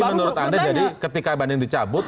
tapi menurut anda jadi ketika banding dicabut